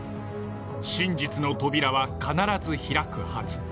真実の扉は必ず開くはず。